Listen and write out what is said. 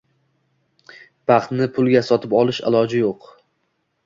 Baxtni pulga sotib olish iloji yo‘q.